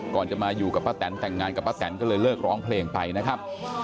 ก่อนจะมาอยู่กับป้าแตนแต่งงานกับป้าแตนก็เลยเลิกร้องเพลงไปนะครับ